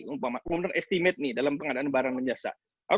under estimate dalam pengadaan barang penjasa